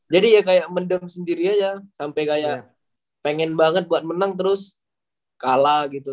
jadi ya kayak mendeng sendiri aja sampai kayak pengen banget buat menang terus kalah gitu